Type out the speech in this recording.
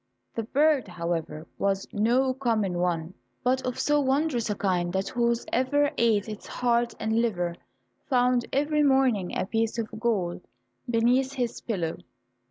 The bird, however, was no common one, but of so wondrous a kind that whosoever ate its heart and liver found every morning a piece of gold beneath his pillow.